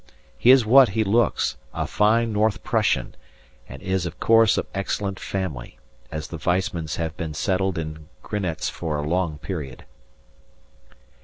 He is what he looks, a fine North Prussian, and is, of course, of excellent family, as the Weissmans have been settled in Grinetz for a long period.